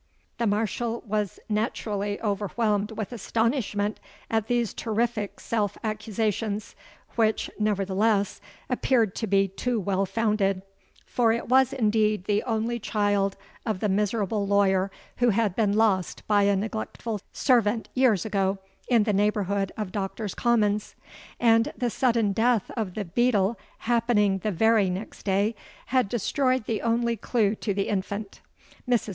_'—The Marshal was naturally overwhelmed with astonishment at these terrific self accusations, which nevertheless appeared to be too well founded; for it was indeed the only child of the miserable lawyer who had been lost by a neglectful servant years ago in the neighbourhood of Doctors' Commons; and the sudden death of the beadle happening the very next day, had destroyed the only clue to the infant. Mrs.